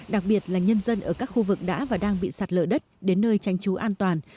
đặc biệt là nhân dân ở các khu vực đã và đang bị sạt lở đất đến nơi tránh trú an toàn